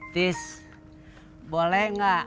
tis boleh nggak